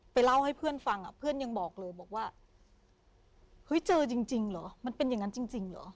เล่าให้เพื่อนฟังอ่ะเพื่อนยังบอกเลยบอกว่าเฮ้ยเจอจริงเหรอมันเป็นอย่างนั้นจริงเหรอ